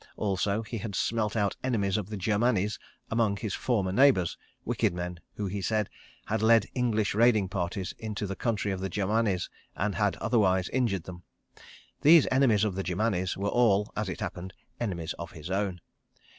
Also, he had "smelt out" enemies of the Germanis among his former neighbours, wicked men who, he said, had led English raiding parties into the country of the Germanis, and had otherwise injured them. These enemies of the Germanis were all, as it happened, enemies of his own.